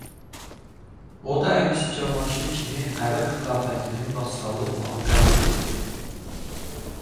O da əmisi Cavanşir kimi Ərəb Xilafətinin vassalı olmağı qəbul etdi.